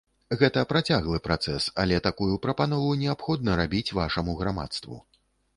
Гэта працяглы працэс, але такую прапанову неабходна рабіць вашаму грамадству.